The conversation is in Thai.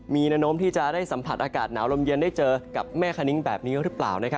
มีแนวโน้มที่จะได้สัมผัสอากาศหนาวลมเย็นได้เจอกับแม่คณิ้งแบบนี้หรือเปล่า